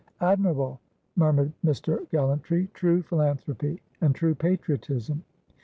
"Admirable!" murmured Mr. Gallantry. "True philanthropy, and true patriotism!"